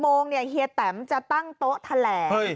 ๑๐โมงเฮียแตมจะตั้งโต๊ะแถลก